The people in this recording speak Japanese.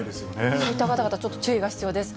そういった方々、ちょっと注意が必要です。